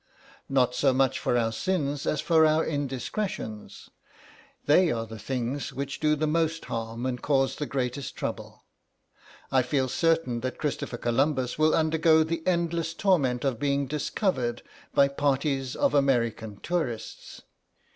"Not so much for our sins as for our indiscretions; they are the things which do the most harm and cause the greatest trouble. I feel certain that Christopher Columbus will undergo the endless torment of being discovered by parties of American tourists.